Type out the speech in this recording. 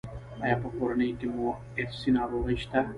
ایا په کورنۍ کې مو ارثي ناروغي شته؟